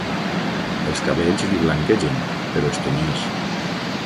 Els cabells li blanquegen, però es tenyeix.